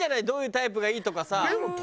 どういうタイプがいいとかさ。